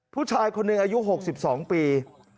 ผู้ชายคนหนึ่งอายุ๖๒ปี